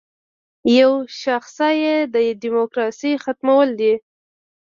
یوه شاخصه یې د دیموکراسۍ ختمول دي.